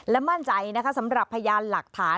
และมั่นใจนะคะสำหรับพยานหลักฐาน